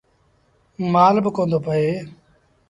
مآل با ڪوندو پيٚئي۔